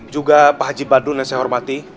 juga pak haji badun yang saya hormati